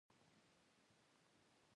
ژباړه د پوهې د لیږد لاره ده.